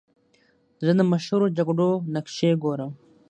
زه د مشهورو جګړو نقشې ګورم.